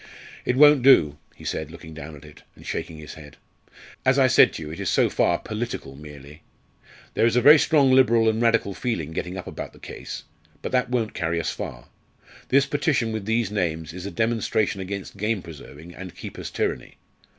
"It won't do," he said, looking down at it, and shaking his head. "As I said to you, it is so far political merely. There is a very strong Liberal and Radical feeling getting up about the case. But that won't carry us far. This petition with these names is a demonstration against game preserving and keepers' tyranny.